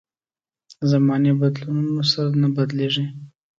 زمانې بدلونونو سره نه بدلېږي.